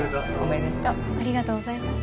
ありがとうございます。